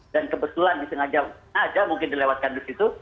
dan kebetulan disengaja aja mungkin dilewatkan disitu